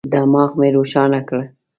دماغ مي روښانه کړه.